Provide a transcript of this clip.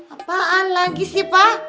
apaan lagi sih pak